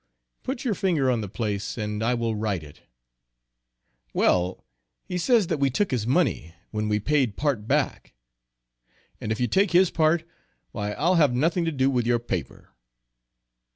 "Put your finger on the place, and I will right it." "Well, he says that we took his money, when we paid part back. And if you take his part, why I'll have nothing to do with your paper."